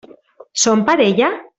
Són parella?